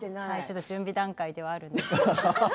ちょっと準備段階ではあるんですけど。